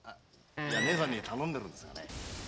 姉さんに頼んでるんですがね。